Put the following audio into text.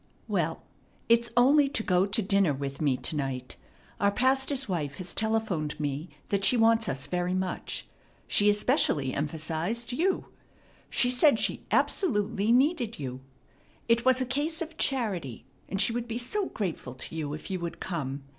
"Well, it's only to go to dinner with me to night. Our pastor's wife has telephoned me that she wants us very much. She especially emphasized you. She said she absolutely needed you. It was a case of charity, and she would be so grateful to you if you would come.